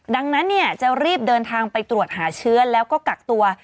ดังนั้นจะรีบเดินทางไปตรวจหาเชื้อแล้วก็กักตัว